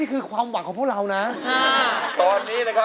เราเจ๋ง